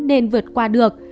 nên vượt qua được